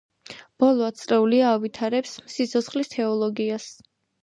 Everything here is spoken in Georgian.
ბოლო ათწლეულია ავითარებს „სიცოცხლის თეოლოგიას“.